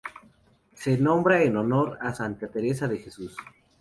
Se nombran en honor de Santa Teresa de Jesús.